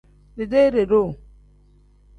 Dideere-duu.